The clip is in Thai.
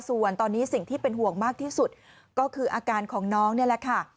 ส่วนตอนนี้สิ่งที่เป็นห่วงมากที่สุดก็คืออาการของน้องนี่แหละค่ะ